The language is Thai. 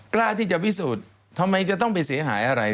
กล้าที่จะพิสูจน์ทำไมจะต้องไปเสียหายอะไร